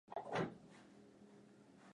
Macho hayana pazia